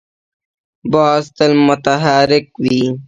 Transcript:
باز تل متحرک وي